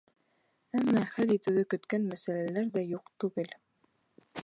Әммә хәл итеүҙе көткән мәсьәләләр ҙә юҡ түгел.